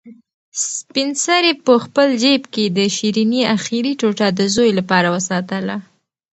سپین سرې په خپل جېب کې د شیرني اخري ټوټه د زوی لپاره وساتله.